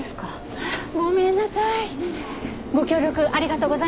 ごめんなさい。